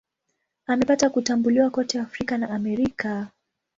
Amepata kutambuliwa kote Afrika na Amerika.